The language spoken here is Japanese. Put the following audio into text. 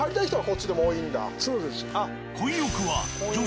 そうです。